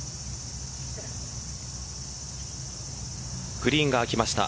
グリーンが空きました。